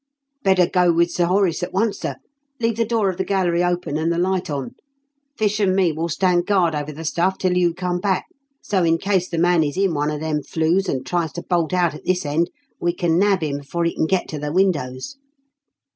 "Better go with Sir Horace at once, sir. Leave the door of the gallery open and the light on. Fish and me will stand guard over the stuff till you come back, so in case the man is in one of them flues and tries to bolt out at this end, we can nab him before he can get to the windows."